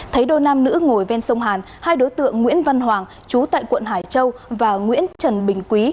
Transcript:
thấy đôi nam nữ ngồi ven sông hàn hai đối tượng nguyễn văn hoàng chú tại quận hải châu và nguyễn trần bình quý